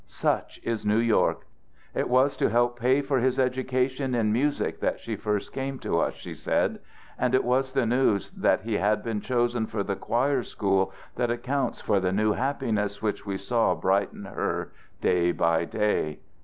Such is New York! It was to help pay for his education in music that she first came to us, she said. And it was the news that he had been chosen for the choir school that accounts for the new happiness which we saw brighten her day by day.